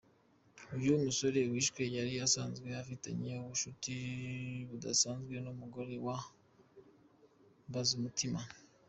Uyu musore wishwe yari asanzwe afitanye ubushuti budasanzwe n’umugore wa Mbazumutima.